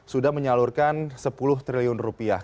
sudah menyalurkan sepuluh triliun rupiah